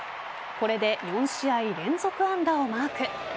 これで４試合連続安打をマーク。